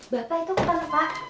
bapak itu ke mana pak